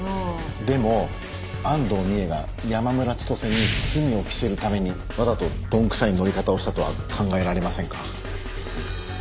でも安藤美絵が山村千歳に罪を着せるためにわざと鈍くさい乗り方をしたとは考えられませんか？